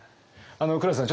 黒田さん